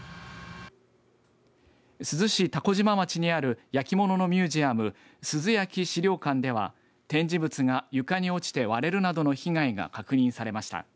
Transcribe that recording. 珠洲市蛸島町にある焼き物のミュージアム、珠洲焼資料館では展示物が床に落ちて割れるなどの被害が確認されました。